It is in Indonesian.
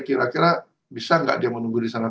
kira kira bisa nggak dia menunggu di sana